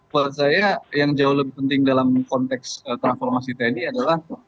buat saya yang jauh lebih penting dalam konteks transformasi tni adalah